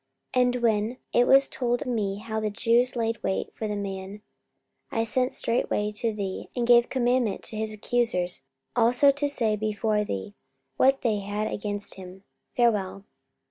44:023:030 And when it was told me how that the Jews laid wait for the man, I sent straightway to thee, and gave commandment to his accusers also to say before thee what they had against him. Farewell.